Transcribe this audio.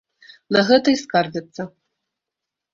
На гэта і скардзяцца.